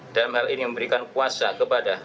dan hal ini memberikan kuasa kepada